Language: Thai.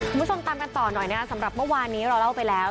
คุณผู้ชมตามกันต่อหน่อยนะครับสำหรับเมื่อวานนี้เราเล่าไปแล้ว